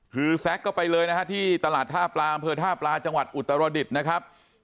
คือแซ็กก็ไปเลยนะฮะที่ตลาดท่าปลาอำเภอท่าปลาจังหวัดอุตรดิษฐ์นะครับ